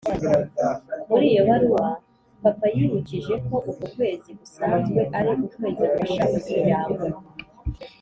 muri iyo baruwa, papa yibukije ko uko kwezi gusanzwe ari ukwezi gufasha umuryango